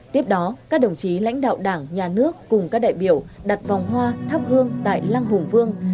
tiếp đó các đồng chí lãnh đạo đảng nhà nước cùng các đại biểu đặt vòng hoa thắp hương tại lăng hùng vương